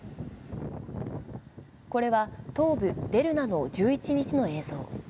これは、東部デルナの１１日の映像。